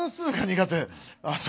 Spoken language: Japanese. あそう。